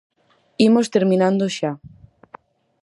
Imos terminando xa.